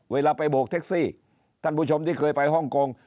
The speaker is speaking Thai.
เวลาไปโบกแท็กซี่ท่านผู้ชมที่เคยไปฮ่องกง